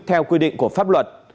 theo quy định của pháp luật